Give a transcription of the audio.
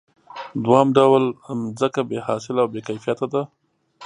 دویم ډول ځمکه بې حاصله او بې کیفیته ده